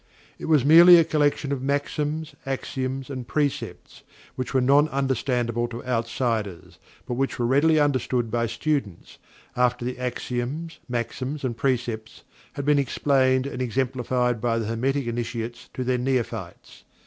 It was merely a collection of maxims, axioms, and precepts, which were non understandable to outsiders, but which were readily understood by students, after the axioms, maxims, and precepts had been explained and exemplified by the Hermetic Initiates to their Neophytes.